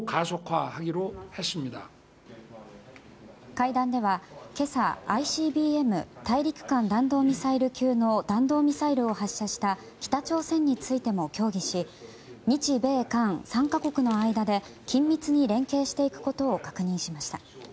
会談では今朝、ＩＣＢＭ・大陸間弾道ミサイル級の弾道ミサイルを発射した北朝鮮についても協議し日米韓３か国の間で緊密に連携していくことを確認しました。